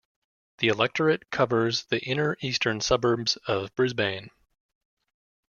The electorate covers the inner eastern suburbs of Brisbane.